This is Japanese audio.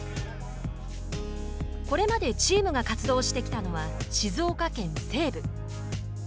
これまでチームが活動してきたのは静岡県西部。